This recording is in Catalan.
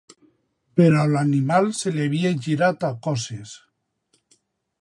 … però l'animal se li havia girat a cosses.